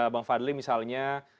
bang fadli misalnya